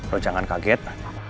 lo jangan kaget